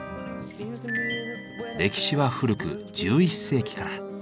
歴史は古く１１世紀から。